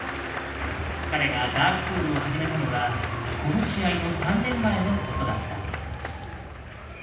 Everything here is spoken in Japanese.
彼が「ＤＡＲＫＳＯＵＬＳ」を始めたのはこの試合の３年前のことだった。